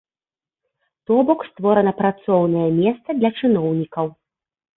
То бок, створана працоўнае месца для чыноўнікаў.